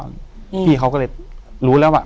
อยู่ที่แม่ศรีวิรัยิลครับ